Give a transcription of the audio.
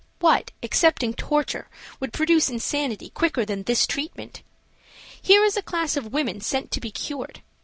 What, excepting torture, would produce insanity quicker than this treatment? Here is a class of women sent to be cured.